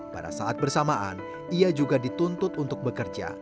pada saat bersamaan ia juga dituntut untuk bekerja